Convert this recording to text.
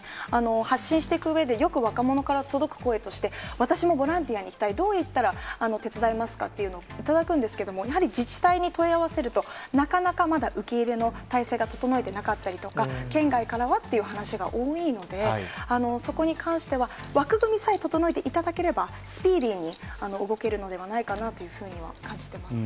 発信していくうえで、よく若者から届く声として、私もボランティアに行きたい、どういったら手伝えますかっていうのを、頂くんですけど、やはり自治体に問い合わせると、なかなかまだ受け入れの態勢が整えてなかったりとか、県外からはっていう話が多いので、そこに関しては、枠組みさえ整えていただければ、スピーディーに動けるのではないかなというふうには感じてます。